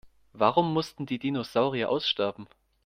Warum mussten die Dinosaurier aussterben?